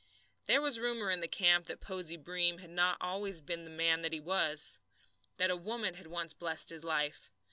There was a rumour in the camp that Posey Breem had not always been the man that he was that a woman had once blessed his life.